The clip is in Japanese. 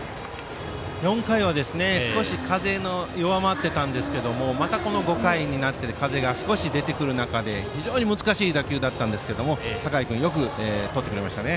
４回は少し風が弱まっていたんですがまた５回になって少し風が出てくる中で非常に難しい打球だったんですが酒井君、よくとってくれましたね。